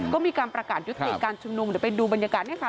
ก็มีการประกาศยุติการชุมนุมเดี๋ยวไปดูบรรยากาศเนี่ยค่ะ